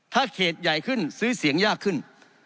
ถ้าเขตใหญ่ขึ้นซื้อเสียงยากขึ้น